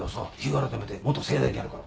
改めてもっと盛大にやるから。